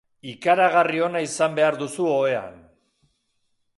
Ikaragarri ona izan behar duzu ohean.